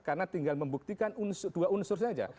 karena tinggal membuktikan dua unsur saja